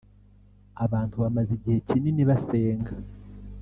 abantu bamaze igihe kinini basenga